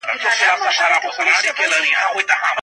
لوبه په ډېر مهارت سره د یو چا لخوا ثبت شوه.